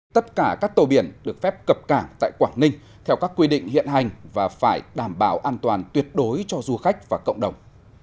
tất cả các tàu biển được phép cập cảng tại quảng ninh theo các quy định hiện hành và phải đảm bảo an toàn tuyệt đối cho du khách và cộng đồng